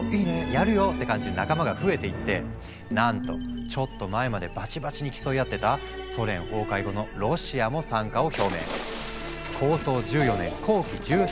「やるよ！」って感じで仲間が増えていってなんとちょっと前までバチバチに競い合ってたソ連崩壊後のロシアも参加を表明。